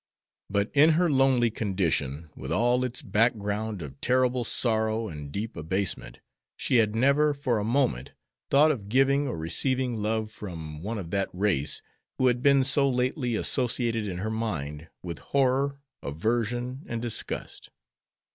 But in her lonely condition, with all its background of terrible sorrow and deep abasement, she had never for a moment thought of giving or receiving love from one of that race who had been so lately associated in her mind with horror, aversion, and disgust.